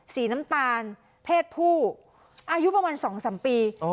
สีน้ำตาลเพศผู้อายุประมาณ๒๓ปี